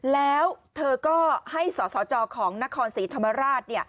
แล้วเธอก็ให้สสจของนครศรีธรรมราช